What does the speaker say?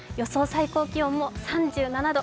最高気温も３７度